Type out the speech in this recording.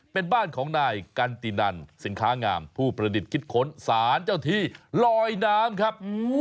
เป็นบ้านของนายกันตินันสินค้างามผู้ประดิษฐ์คิดค้นสารเจ้าที่ลอยน้ำครับ